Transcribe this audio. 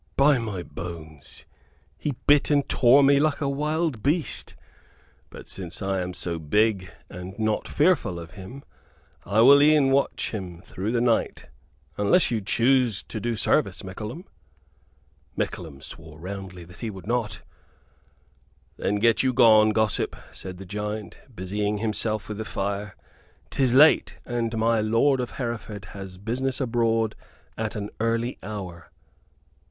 "By my bones, he bit and tore me like a wild beast. But since I am so big and not fearful of him I will e'en watch him through the night, unless you choose to do service, Mickleham?" Mickleham swore roundly that he would not. "Then get you gone, gossip," said the giant, busying himself with the fire. "'Tis late: and my lord of Hereford has business abroad at an early hour."